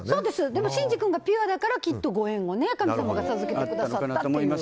でも真治君がピュアだからきっとご縁を神様が授けてくださったっていう。